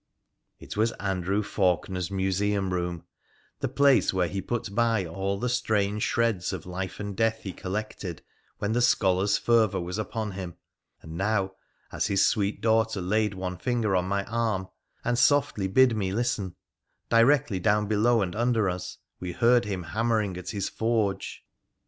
It was Andrew Faulkener's museum room — the place where he put by all the strange shreds of life and death he collected when the scholar's fervour was upon him, and now, as his sweet daughter laid one finger on my arm and softly bid me listen, directly down below and under us we heard him hammering at his forge.